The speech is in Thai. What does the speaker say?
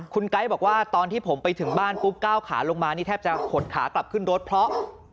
คุณไก๊บอกว่าตอนที่ผมไปถึงบ้านปุ๊บก้าวขาลงมานี่แทบจะขนขากลับขึ้นรถเพราะ